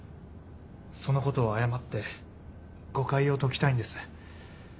そのことを謝って誤解を解きたいんです。